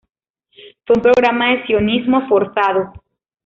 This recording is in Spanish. Fue un programa de sionismo forzado.